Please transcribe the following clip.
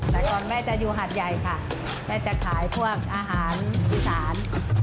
แต่ก่อนแม่จะอยู่หัดใหญ่ค่ะแม่จะขายพวกอาหารอีสาน